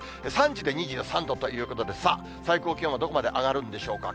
３時で２３度ということで、さあ、最高気温はどこまで上がるんでしょうか。